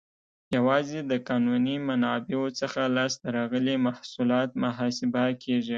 یوازې د قانوني منابعو څخه لاس ته راغلي محصولات محاسبه کیږي.